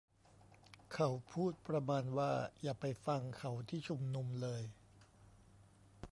เขาพูดประมาณว่า อย่าไปฟังเขาที่ชุมนุมเลย